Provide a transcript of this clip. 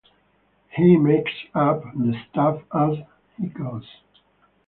He makes up the stuff as he goes.